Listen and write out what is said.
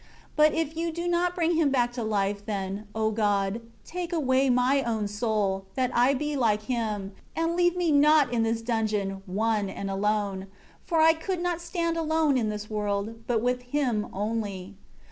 8 But if You do not bring him back to life, then, O God, take away my own soul, that I be like him, and leave me not in this dungeon, one and alone; for I could not stand alone in this world, but with him only.